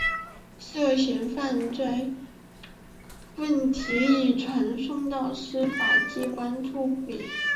涉嫌犯罪问题已移送司法机关处理。